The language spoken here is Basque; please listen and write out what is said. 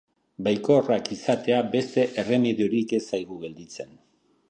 Baikorrak izatea beste erremediorik ez zaigu gelditzen.